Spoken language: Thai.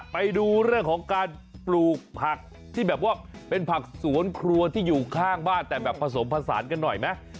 ไปดูเรื่องของการปลูกผักที่แบบว่าเป็นผักสวนครัวที่อยู่ข้างบ้านแต่แบบผสมผสานกันหน่อยไหม